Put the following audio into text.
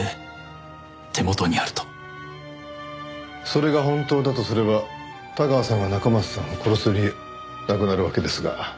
それが本当だとすれば田川さんが中松さんを殺す理由なくなるわけですが。